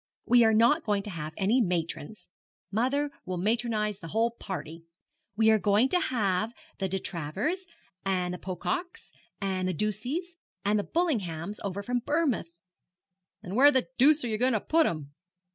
'We are not going to have any matrons. Mother will matronize the whole party. We are going to have the De Travers, and the Pococks, and the Ducies, and the Bullinghams over from Bournemouth.' 'And where the deuce are you going to put 'em?'